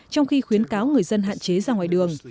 trong khi khuyến cáo người dân hạn chế ra ngoài đường